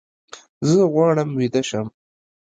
زه غواړم ویده شم